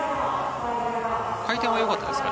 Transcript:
回転はよかったですかね。